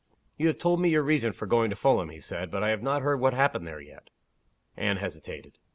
"You have told me your reason for going to Fulham," he said. "But I have not heard what happened there yet." Anne hesitated.